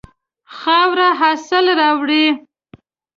خاوره حاصل راوړي.